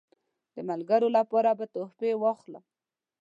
د ملګرو لپاره به تحفې واخلم.